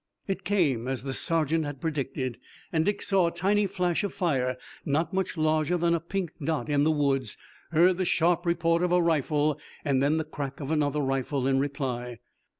It came as the sergeant had predicted, and Dick saw a tiny flash of fire, not much larger than a pink dot in the woods, heard the sharp report of a rifle and then the crack of another rifle in reply.